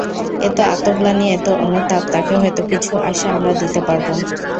এত আত্মগ্লানি, এত অনুতাপ, তাকে হয়ত কিছু আশা আমরা দিতে পারবো।